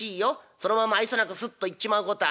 そのまま愛想なくスッと行っちまうことはないよ。